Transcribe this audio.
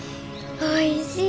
おいしい。